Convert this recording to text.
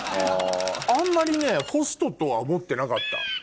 あんまりねホストとは思ってなかった。